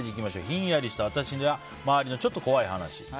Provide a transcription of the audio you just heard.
ヒンヤリした私や周りのちょっと怖い話。